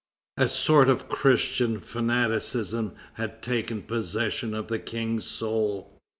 A sort of Christian fanaticism had taken possession of the King's soul.